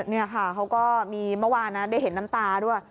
เป็นอย่างนี้ก็มีเมื่อวานได้เห็นน้ำตาด้วย